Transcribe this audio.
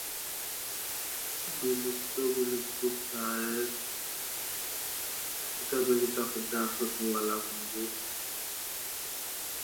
বিলুপ্ত বা বিলুপ্তপ্রায় ফসলাদি তিল, অড়হর, যব, তিসি।